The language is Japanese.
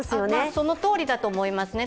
そのとおりだと思いますね。